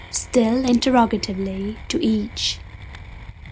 (still interrogatively) to each.